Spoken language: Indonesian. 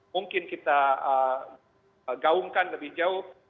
mungkin kita gaungkan lebih jauh